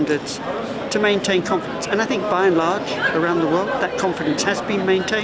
dan saya pikir secara besar di seluruh dunia kepercayaan itu telah dimantau